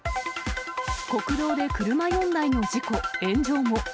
国道で車４台の事故、炎上も。